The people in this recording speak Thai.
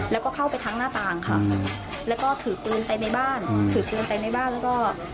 แล้วก็เข้าไปทั้งหน้าต่างค่ะแล้วก็ถือปืนไปในบ้านถือปืนไปในบ้านแล้วก็